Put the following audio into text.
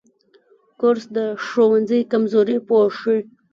کورس د ښوونځي کمزوري پوښي.